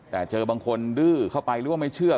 แต่เจอบางคนดื้อเข้าไปหรือว่าไม่เชื่อ